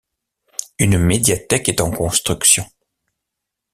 Une médiathèque est en construction.